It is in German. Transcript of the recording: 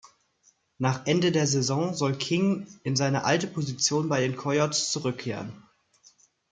Nach Ende der Saison soll King in seine alte Position bei den Coyotes zurückkehren.